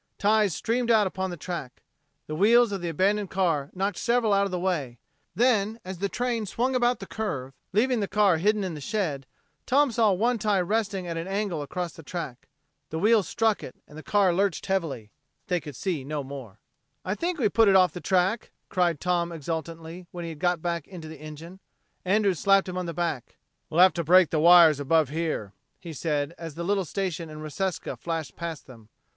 Ties streamed out upon the track. The wheels of the abandoned car knocked several out of the way; then, as the train swung about the curve, leaving the car hidden in the shed, Tom saw one tie resting at an angle across the track. The wheels struck it, and the car lurched heavily.... They could see no more. "I think we put it off the track," cried Tom exultantly when he was back in the engine. Andrews slapped him on the back. "We'll have to break the wires above here," he said as the little station in Reseca flashed past them.